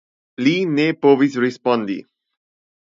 Li ne povis respondi.